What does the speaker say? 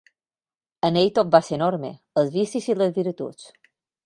En ell tot va ser enorme, els vicis i les virtuts.